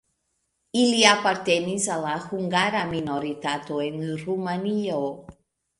Ili apartenis al la hungara minoritato en Rumanio.